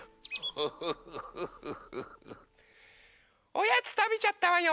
・おやつたべちゃったわよ。